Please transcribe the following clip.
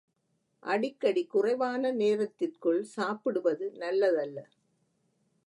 அடிக்கடி குறைவான நேரத்திற்குள் சாப்பிடுவது நல்லதல்ல.